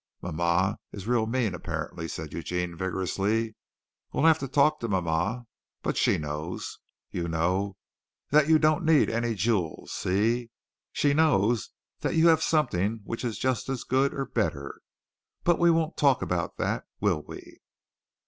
"Mama is real mean, apparently," said Eugene vigorously. "We'll have to talk to mama, but she knows, you know, that you don't need any jewels, see? She knows that you have something which is just as good, or better. But we won't talk about that, will we?"